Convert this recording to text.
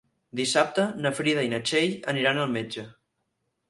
Dissabte na Frida i na Txell aniran al metge.